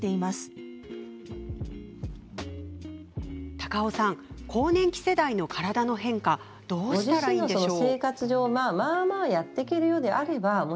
高尾さん更年期世代の体の変化どうしたらいいんでしょう？